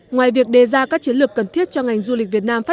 ngoài việc đề ra các chiến lược cần thiết cho ngành du lịch việt nam phát